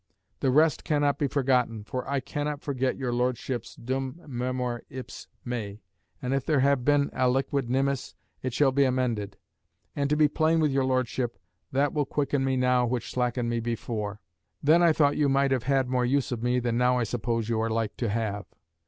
The rest cannot be forgotten, for I cannot forget your Lordship's dum memor ipse mei; and if there have been aliquid nimis, it shall be amended. And, to be plain with your Lordship, that will quicken me now which slackened me before. Then I thought you might have had more use of me than now I suppose you are like to have.